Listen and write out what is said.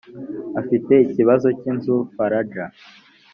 afite ikibazo cy inzu farg